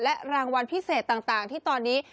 รางวัลพิเศษต่างที่ตอนนี้